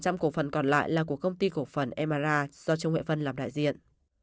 năm cổ phần còn lại là của công ty cổ phần emara do trương huệ vân làm đại diện